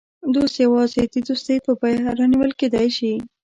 دوست یوازې د دوستۍ په بیه رانیول کېدای شي.